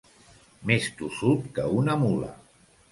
Més tossut que una mula.